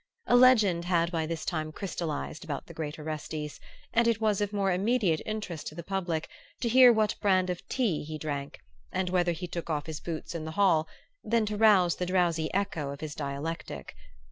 A legend had by this time crystallized about the great Orestes, and it was of more immediate interest to the public to hear what brand of tea he drank, and whether he took off his boots in the hall, than to rouse the drowsy echo of his dialectic.